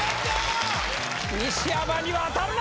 西山には当たるな！